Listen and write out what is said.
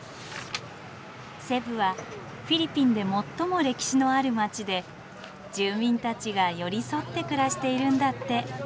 セブはフィリピンで最も歴史のある街で住民たちが寄り添って暮らしているんだって。